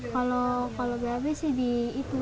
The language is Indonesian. kalau bab sih di itu